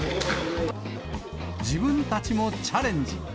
自分たちもチャレンジ。